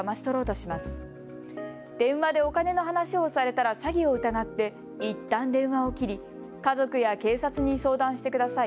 電話でお金の話をされたら詐欺を疑っていったん電話を切り、家族や警察に相談してください。